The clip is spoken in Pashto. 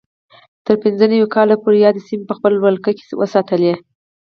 تر پینځه نوي کال پورې یادې سیمې په خپل ولکه کې وساتلې.